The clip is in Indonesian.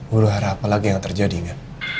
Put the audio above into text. ulu harap apa lagi yang terjadi ya